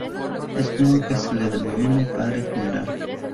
Es común que se le denomine Padre General.